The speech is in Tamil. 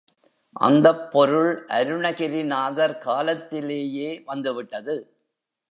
அந்தப் பொருள் அருணகிரிநாதர் காலத்திலேயே வந்துவிட்டது.